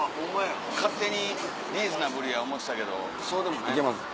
勝手に「リーズナブルや」思うてたけどそうでもない？